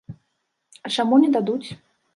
А чаму не дадуць?